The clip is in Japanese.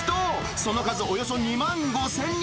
その数およそ２万５０００人。